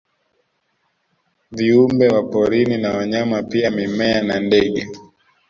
Viumbe wa porini na wanyama pia mimea na ndege